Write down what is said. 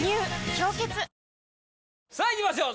「氷結」さあいきましょう！